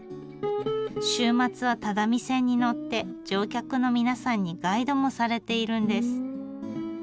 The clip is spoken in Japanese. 週末は只見線に乗って乗客の皆さんにガイドもされているんです。